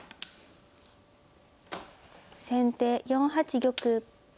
先手４八玉。